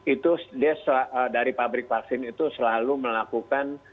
itu dia dari pabrik vaksin itu selalu melakukan